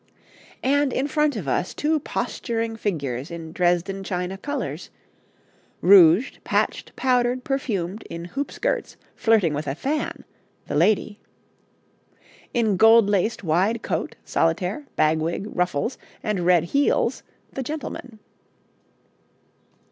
And, in front of us, two posturing figures in Dresden china colours, rouged, patched, powdered, perfumed, in hoop skirts, flirting with a fan the lady; in gold laced wide coat, solitaire, bagwig, ruffles, and red heels the gentleman.